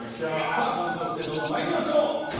さあこの調子でどんどんまいりましょう。